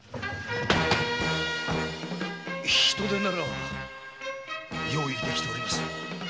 人手なら用意できておりますよ。